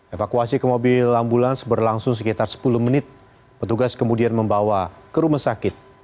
evakuasi ke mobil ambulans berlangsung sekitar sepuluh menit petugas kemudian membawa ke rumah sakit